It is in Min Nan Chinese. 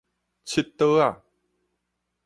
拭桌仔